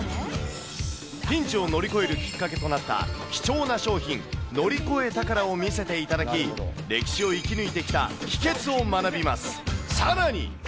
ピンチを乗り越えるきっかけとなった貴重な商品、乗り越え宝を見せていただき、歴史を生き抜いてきた秘けつを学びます。